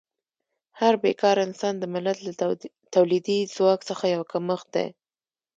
هر بېکاره انسان د ملت له تولیدي ځواک څخه یو کمښت دی.